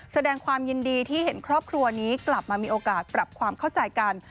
แสดงความยินดีที่เห็นครอบครัวนี้กลับมามีโอกาสปรับความเข้าใจกัน